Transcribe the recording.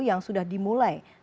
yang sudah dimulai sejak tahun ini